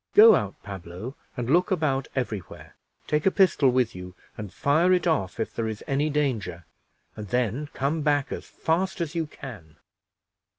Go out, Pablo, and look about every where; take a pistol with you, and fire it off if there is any danger, and then come back as fast as you can."